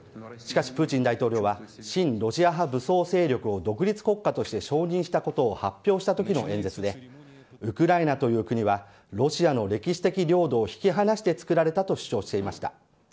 しかしプーチン大統領は親ロシア派武装勢力を独立国家として承認したことを発表した時の演説でウクライナという国はロシアの歴史的領土を引き離して作られたと主張していました。